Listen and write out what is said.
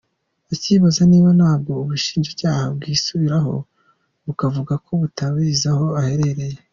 Akibaza niba na bwo ubushinjacyaha bwisubiraho bukavuga ko butazi aho aherereye.